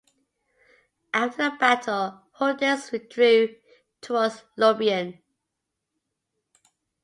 After the battle Hoditz withdrew towards Lublin.